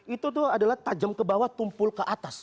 itu tuh adalah tajam kebawah tumpul ke atas